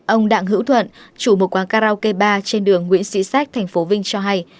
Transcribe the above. ông đặng hữu thuận chủ một quán karaoke ba trên đường nguyễn sĩ sách tp vinh cho hay